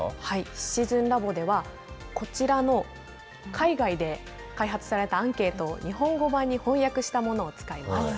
シチズンラボでは、こちらの海外で開発されたアンケートを日本語版に翻訳したものを使います。